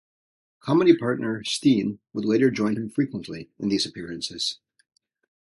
Comedy partner Steen would later join him frequently in these appearances.